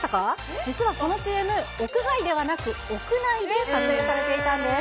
実はこのＣＭ、屋外ではなく、屋内で撮影されていたんです。